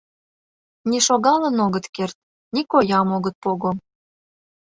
Ни шогалын огыт керт, ни коям огыт пого.